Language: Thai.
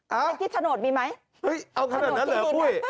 เลขที่สโนดมีไหมเอ๊ะเอาคำถัดนั้นเหรอพุย